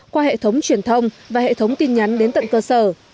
qua hệ thống truyền thông và hệ thống tin nhắn đến tận cơ sở